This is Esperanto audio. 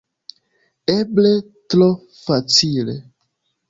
Eble tro facile.